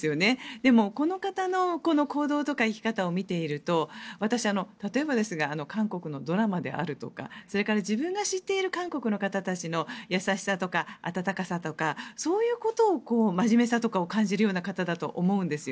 でも、この方の行動とか生き方を見ていると例えば、韓国のドラマであるとかそれから、自分が知っている韓国の方たちの優しさや温かさそういうこと、まじめさとかを感じる方だと思うんです。